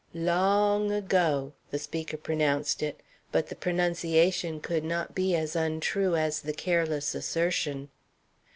"Lawng ago o o," the speaker pronounced it, but the pronunciation could not be as untrue as the careless assertion.